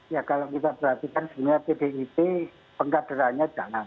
ya kalau kita perhatikan sebenarnya pdi itu pengkaderannya jalan